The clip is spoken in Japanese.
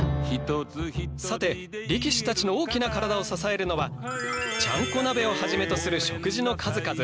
さて力士たちの大きな体を支えるのはちゃんこ鍋をはじめとする食事の数々。